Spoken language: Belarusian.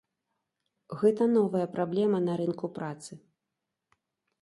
Гэта новая праблема на рынку працы.